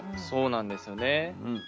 そうなんですよね。